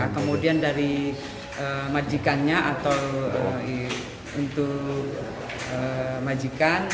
kemudian dari majikannya atau untuk majikan